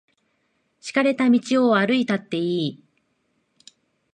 敷かれた道を歩いたっていい。